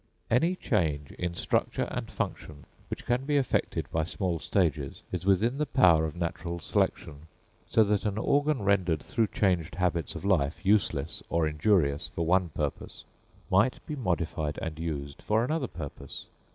Any change in structure and function, which can be effected by small stages, is within the power of natural selection; so that an organ rendered, through changed habits of life, useless or injurious for one purpose, might be modified and used for another purpose.